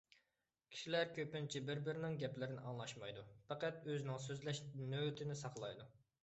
كىشىلەر كۆپىنچە بىر-بىرىنىڭ گەپلىرىنى ئاڭلاشمايدۇ، پەقەت ئۆزىنىڭ سۆزلەش نۆۋىتىنى ساقلايدۇ.